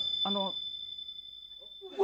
あの。